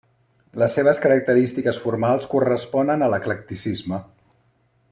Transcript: Les seves característiques formals corresponen a l'eclecticisme.